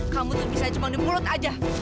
kamu tuh bisa cuma di mulut aja